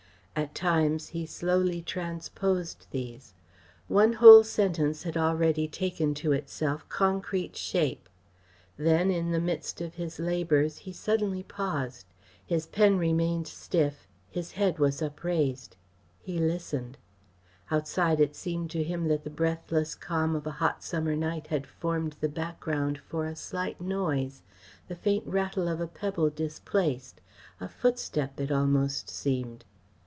At times he slowly transposed these. One whole sentence had already taken to itself concrete shape. Then, in the midst of his labours, he suddenly paused. His pen remained stiff, his head was upraised. He listened. Outside it seemed to him that the breathless calm of a hot summer night had formed the background for a slight noise, the faint rattle of a pebble displaced; a footstep, it almost seemed.